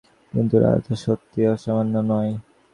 কিন্তু রাজা তো সত্যি অসামান্য নয়।